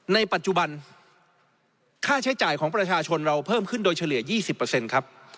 ในปัจจุบันค่าใช้จ่ายของประชาชนเราเพิ่มขึ้นโดยเฉลี่ย๒๐ครับ